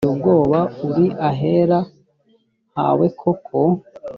mana uteye ubwoba, uri ahera hawe koko!